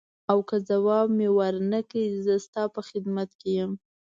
او که ځواب مې ورنه کړ زه ستا په خدمت کې یم.